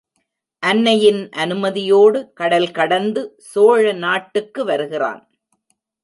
அன்னையின் அனுமதியோடு கடல் கடந்து சோழ நாட்டுக்கு வருகிறான்.